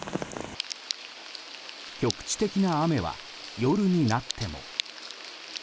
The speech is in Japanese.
局地的な雨は夜になっても。